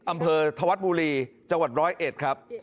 อำเภอธวัฒน์บุรีจังหวัด๑๐๑ครับ